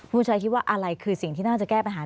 ผู้ชายคิดว่าอะไรคือสิ่งที่น่าจะแก้ปัญหา